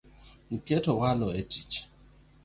Iketo walo e tich